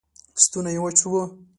ستونی یې وچ و